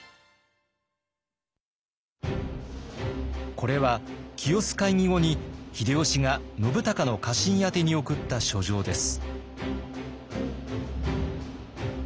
これは清須会議後に秀吉が信孝の家臣宛に送った書状です。